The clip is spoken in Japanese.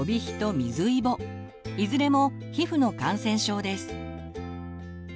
いずれも皮膚の感染症です。